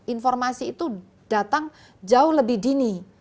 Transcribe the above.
informasi itu datang jauh lebih dini